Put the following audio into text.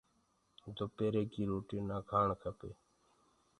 دُپيري ڪي روتي نآ کآڻ کپي۔